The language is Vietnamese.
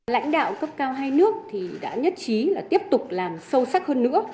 lãnh đạo cấp cao hai nước đã nhất trí là tiếp tục làm sâu sắc hơn nữa